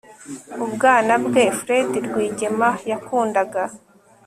mu bwana bwe, fred rwigema yakundaga